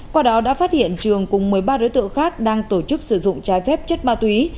qua đó đã phát hiện trường cùng một mươi ba đối tượng khác đang tổ chức sử dụng trái phép chất ma túy